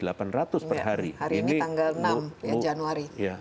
hari ini tanggal enam ya januari